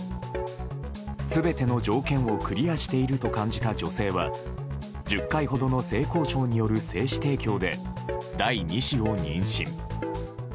全ての条件をクリアしていると感じた女性は１０回ほどの性交渉による精子提供で第２子を妊娠。